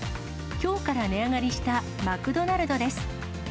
きょうから値上がりしたマクドナルドです。